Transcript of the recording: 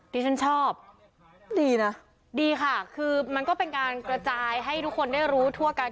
ที่ฉันชอบดีนะดีค่ะคือมันก็เป็นการกระจายให้ทุกคนได้รู้ทั่วกัน